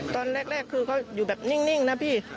ตอนแรกคือเขาอยู่แบบนิ่งนะพี่